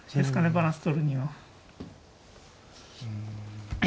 バランス取るには。